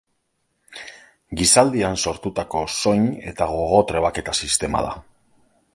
Gizaldian sortutako soin- eta gogo-trebaketa sistema da.